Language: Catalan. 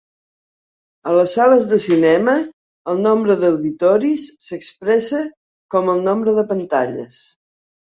A les sales de cinema, el nombre d'auditoris s'expressa com el nombre de pantalles.